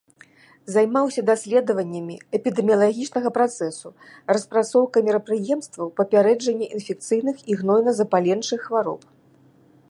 Займаўся даследаваннямі эпідэміялагічнага працэсу, распрацоўкай мерапрыемстваў папярэджання інфекцыйных і гнойна-запаленчых хвароб.